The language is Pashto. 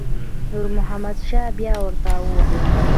نور محمد شاه بیا ورته وویل.